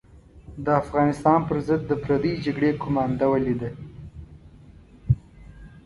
د افغانستان پر ضد د پردۍ جګړې قومانده ولیده.